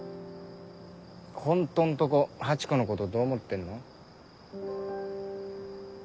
ホントんとこハチ子のことどう思ってんの？